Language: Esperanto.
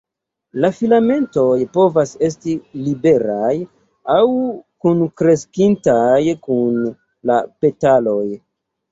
La filamentoj povas esti liberaj aŭ kunkreskintaj kun la petaloj.